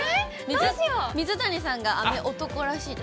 水谷さんが雨男らしいです。